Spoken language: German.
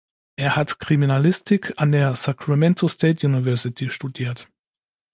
Er hat Kriminalistik an der Sacramento State University studiert.